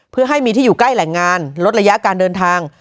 เพื่อให้มีที่อยู่ใกล้แหล่งงานลดระยะการเดินทาง